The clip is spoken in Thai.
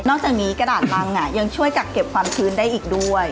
จากนี้กระดาษบังยังช่วยกักเก็บความชื้นได้อีกด้วย